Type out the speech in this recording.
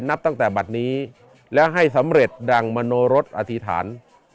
นับตั้งแต่บัตรนี้และให้สำเร็จดังมโนรสอธิษฐาน